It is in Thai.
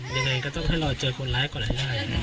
ยังไงก็ต้องให้รอเจอคนร้ายก่อนให้ได้